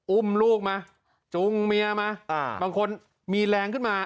อุ้มลูกมาจุงเมียมาบางคนมีแรงขึ้นมา